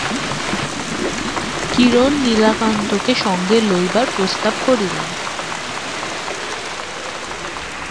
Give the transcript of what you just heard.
কিরণ নীলকান্তকে সঙ্গে লইবার প্রস্তাব করিলেন।